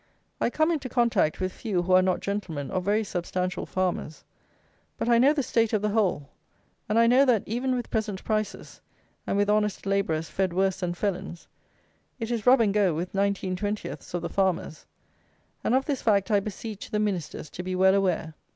I come into contact with few who are not gentlemen or very substantial farmers; but I know the state of the whole; and I know that, even with present prices, and with honest labourers fed worse than felons, it is rub and go with nineteen twentieths of the farmers; and of this fact I beseech the ministers to be well aware.